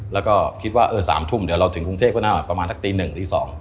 แล้วก็คิดว่าเออ๓ทุ่มเดี๋ยวเราถึงกรุงเทพฯกระน่าวประมาณทั้งตีหนึ่งตีสอง